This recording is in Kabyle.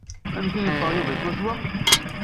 Amek i yenṭerr Yuba swaswa?